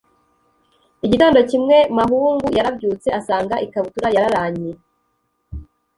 igitondo kimwe, mahungu yarabyutse asanga ikabutura yararanye